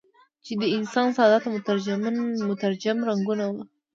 چې د انسان سعادت مترجم رنګونه وو.